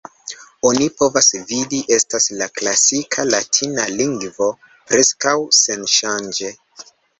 Oni povas vidi, estas la klasika latina lingvo preskaŭ senŝanĝe.